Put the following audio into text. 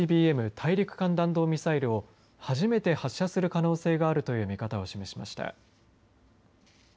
大陸間弾道ミサイルを初めて発射する可能性があるという見方を示しました。